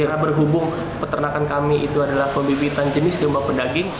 karena berhubung peternakan kami itu adalah pembibitan jenis domba pendaging